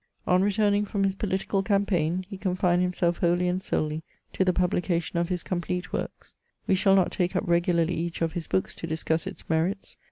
25 V, On returning from his political campaign, he confined himself wholly and solely to the publication of his complete works. We shall not take up regularly each of his books to discuss its merits.